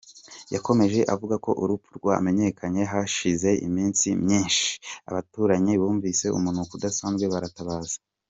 Yakomeje avuga ko urupfu rwe rwamenyekanye hashize iminsi myinshi, abaturanyi bumvise umunuko udasanzwe baratabaza.